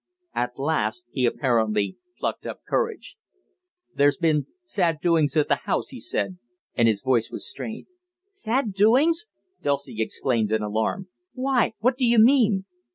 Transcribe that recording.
At last he apparently plucked up courage. "There's been sad doings at the house," he said, and his voice was strained. "Sad doings!" Dulcie exclaimed in alarm. "Why, what do you mean?"